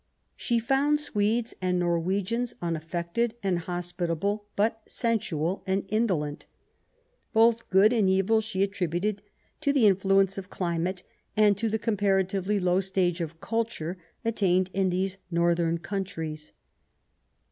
She found Swedes and Norwegians unaffected and hospitable, but sensual and indolent. Both good and evil she attributes to the influence of climate and to the comparatively low stage of culture attained in these northern countries.